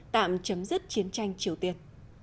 tạm chấm dứt chiến tranh triều tiên